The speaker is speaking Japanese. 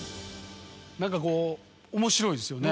何か面白いですよね